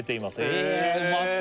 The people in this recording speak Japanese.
へえへえうまそう